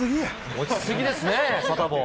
落ちすぎですね、サタボー。